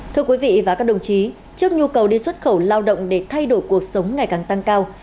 thưa quý vị và các đồng chí trước nhu cầu đi xuất khẩu lao động để thay đổi cuộc sống ngày càng tăng cao